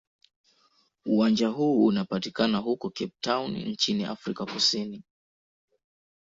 Uwanja huu unapatikana huko Cape Town nchini Afrika Kusini.